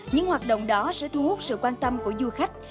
những hoạt động đó sẽ thu hút sự quan tâm của du khách